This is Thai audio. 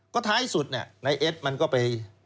ก็ท้ายสุดนายเอ็ดมันก็ไป